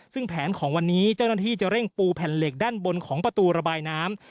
ซึ่งแผนของวันนี้เจ้าหน้าที่จะเร่งปูแผ่นเหล็กด้านบนของประตูระบายน้ำ